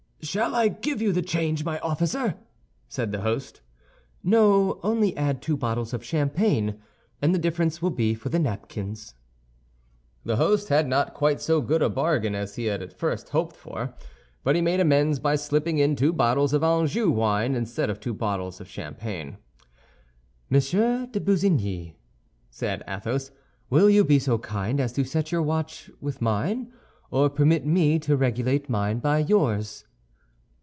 "Shall I give you the change, my officer?" said the host. "No, only add two bottles of champagne, and the difference will be for the napkins." The host had not quite so good a bargain as he at first hoped for, but he made amends by slipping in two bottles of Anjou wine instead of two bottles of champagne. "Monsieur de Busigny," said Athos, "will you be so kind as to set your watch with mine, or permit me to regulate mine by yours?"